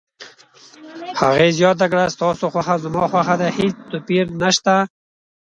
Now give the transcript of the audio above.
هغې زیاته کړه: ستا خوښه زما خوښه ده، هیڅ توپیر نشته.